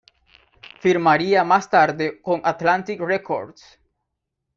Firmaría más tarde con Atlantic Records.